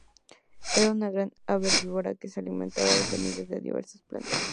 Era un gran ave herbívora, que se alimentaba de semillas de diversas plantas.